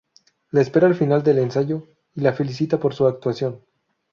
La espera al final del ensayo, y la felicita por su actuación.